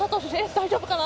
大丈夫かな？